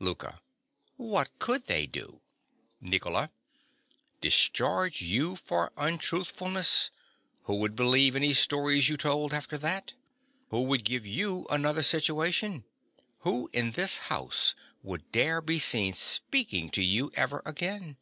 LOUKA. What could they do? NICOLA. Discharge you for untruthfulness. Who would believe any stories you told after that? Who would give you another situation? Who in this house would dare be seen speaking to you ever again?